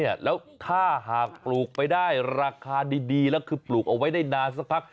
แล้วถ้าหากปลูกไปได้ราคาดีแล้วคือปลูกเอาไว้ได้นานสักพัก